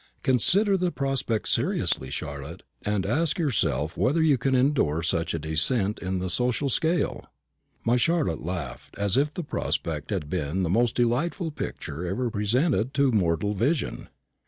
Consider the prospect seriously, Charlotte, and ask yourself whether you can endure such a descent in the social scale." My Charlotte laughed, as if the prospect had been the most delightful picture ever presented to mortal vision.